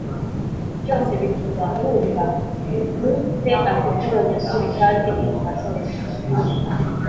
Byose bituma numva m te amahoro nyakuri kandi nkumva ntuje